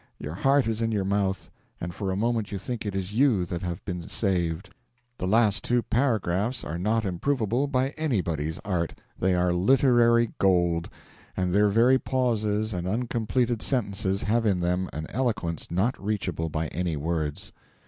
your heart is in your mouth, and for a moment you think it is you that have been saved. The last two paragraphs are not improvable by anybody's art; they are literary gold; and their very pauses and uncompleted sentences have in them an eloquence not reachable by any words.